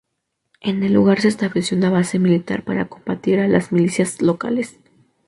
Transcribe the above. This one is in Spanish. En el lugar se estableció una base militar para combatir a las milicias locales.